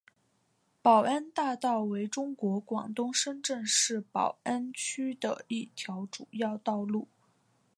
宝安大道为中国广东深圳市宝安区的一条主要道路。